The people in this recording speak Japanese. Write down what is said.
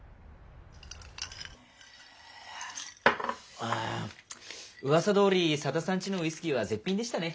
あうわさどおり佐田さんちのウイスキーは絶品でしたね。